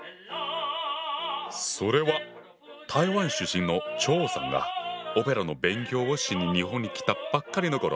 それは台湾出身の張さんがオペラの勉強をしに日本に来たばっかりの頃。